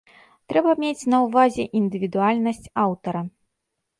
Трэба мець на ўвазе індывідуальнасць аўтара.